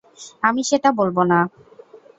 আমি সেটা বলব না।